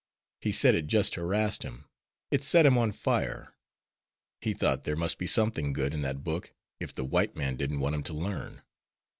He said it just harassed him; it set him on fire. He thought there must be something good in that book if the white man didn't want him to learn.